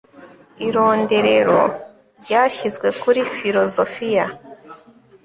ironderero ryashyizwe kuri filozofiya